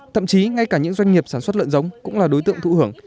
thậm chí ngay cả những doanh nghiệp sản xuất lợn giống cũng là đối tượng thụ hưởng